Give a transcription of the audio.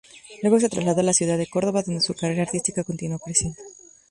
Luego se trasladó a la ciudad de Córdoba, donde su carrera artística continuó creciendo.